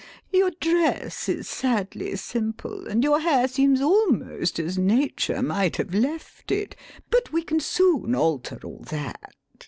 your dress is sadly simple, and your hair seems almost as Nature might have left it. But we can soon alter all that.